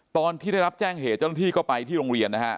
ตอนที่ได้รับแจ้งเหตุที่เข้าไปที่โรงเรียนนะฮะ